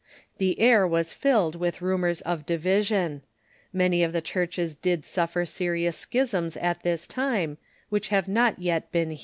The air was filled with rumors of di vision. Some of the churches did suffer serious schisms at this time, which have not yet been healed.